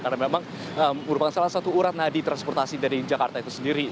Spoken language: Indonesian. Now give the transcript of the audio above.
karena memang merupakan salah satu urat nadi transportasi dari jakarta itu sendiri